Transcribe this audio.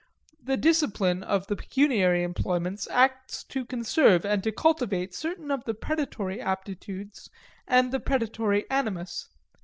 The discipline of the pecuniary employments acts to conserve and to cultivate certain of the predatory aptitudes and the predatory animus.